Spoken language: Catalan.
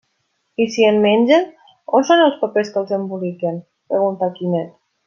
I si en mengen, on són els papers que els emboliquen? —preguntà Quimet.